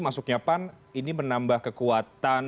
masuknya pan ini menambah kekuatan